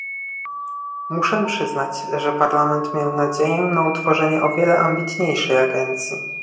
Muszę przyznać, że Parlament miał nadzieję na utworzenie o wiele ambitniejszej agencji